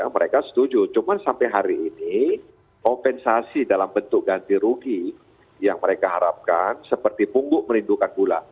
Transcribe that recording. mereka setuju cuma sampai hari ini kompensasi dalam bentuk ganti rugi yang mereka harapkan seperti punggung merindukan gula